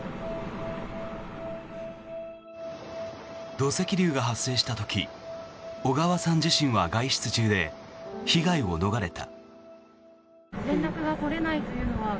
土石流が発生した時小川さん自身は外出中で被害を逃れた。